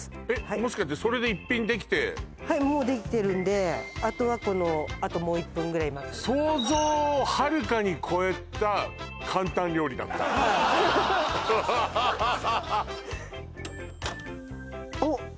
もしかしてそれで１品できてはいもうできてるんであとはこのあともう１分ぐらい待つ想像をはるかに超えた簡単料理だったおっ！